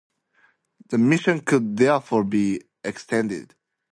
The mission could therefore be extended.